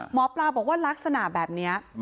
หมอปลาบอกว่าลักษณะแบบนี้